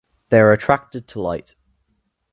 They are attracted to light.